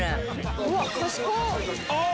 うわっ賢っ！